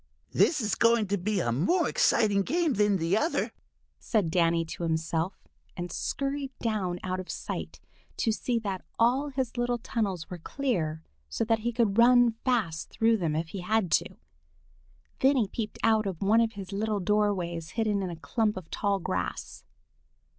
"This is going to be a more exciting game than the other," said Danny to himself, and scurried down out of sight to see that all his little tunnels were clear so that he could run fast through them if he had to. Then he peeped out of one of his little doorways hidden in a clump of tall grass.